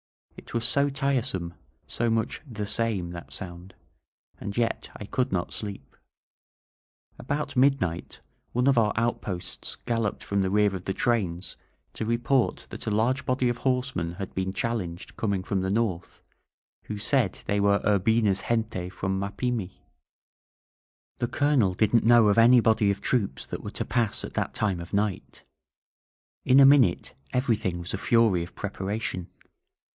It was so tiresome, so much the same, that sound; and yet I could not sleep. ••• 805 INSURGENT MEXICO About midnight one of our outposts galloped from the rear of the trains to report that a large body of horsemen had been challenged coming from the north, who said they were Urbina's gente from Mapimi. The Colonel didn't know of any body of troops that were to pass at that time of night. In a minute everything was a fury of preparation.